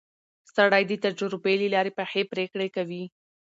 سړی د تجربې له لارې پخې پرېکړې کوي